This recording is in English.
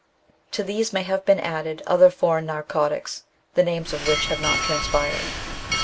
To these may have been added other forei^ narcotics, the names of which have ndt transpired.